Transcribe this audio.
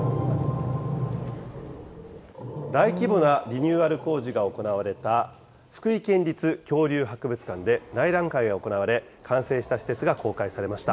大規模なリニューアル工事が行われた福井県立恐竜博物館で内覧会が行われ、完成した施設が公開されました。